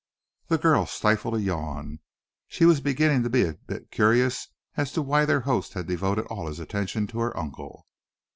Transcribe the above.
The girl stifled a yawn. She was beginning to be a bit curious as to why their host had devoted all his attention to her uncle.